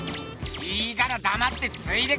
いいからだまってついてこい！